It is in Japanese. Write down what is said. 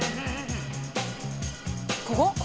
ここ？